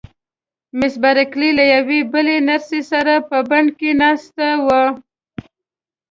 مس بارکلي له یوې بلې نرسې سره په بڼ کې ناسته وه.